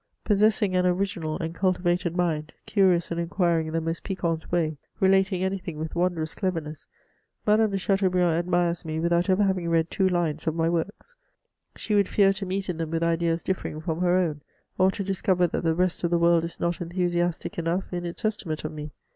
Possess ing an original and cultivated mind, curious and inquiring in the most piquant way, relating any thing with wondrous devemess, Madame de Chateaubriand admires me without ever having read two lines of my works ; she would fear to meet in them with ideas differing from ner own, or to discover that the rest of the world is not enthusiastic enough in its estimate of me.